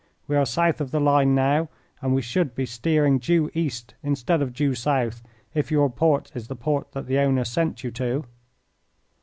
We are south of the line now, and we should be steering due east instead of due south if your port is the port that the owners sent you to."